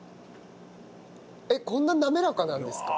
えっこんな滑らかなんですか？